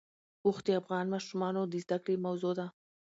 اوښ د افغان ماشومانو د زده کړې موضوع ده.